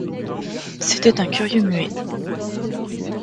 C’était un curieux muet.